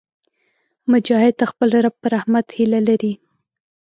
مجاهد د خپل رب په رحمت هیله لري.